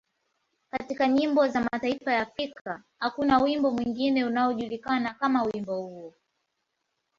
Katika nyimbo za mataifa ya Afrika, hakuna wimbo mwingine unaojulikana kama wimbo huo.